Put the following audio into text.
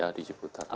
iya di ciputan